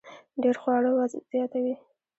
ډیر خواړه وزن زیاتوي